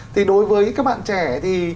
thì đối với các bạn trẻ thì